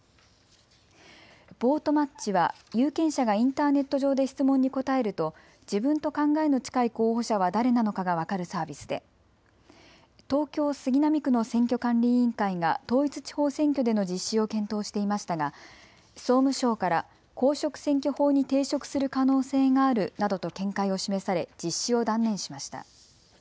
ボートマッチは有権者がインターネット上で質問に答えると自分と考えの近い候補者は誰なのかが分かるサービスで東京杉並区の選挙管理委員会が統一地方選挙での実施を検討していましたが総務省から公職選挙法に抵触する可能性があるなどと見解を示され実施を断念しました。